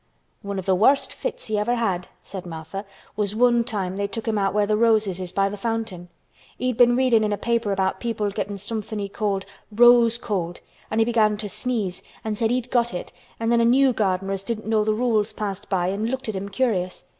"One of th' worst fits he ever had," said Martha, "was one time they took him out where the roses is by the fountain. He'd been readin' in a paper about people gettin' somethin' he called 'rose cold' an' he began to sneeze an' said he'd got it an' then a new gardener as didn't know th' rules passed by an' looked at him curious.